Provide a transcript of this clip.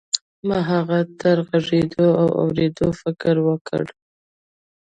ما هغه ته د غږېدو او اورېدو فکر ورکړ.